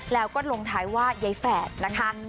แล้วก็ลงท้ายว่ายายแฝดนะคะ